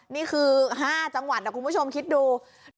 นี่คือ๕จังหวัดนะคุณผู้ชมคิดดู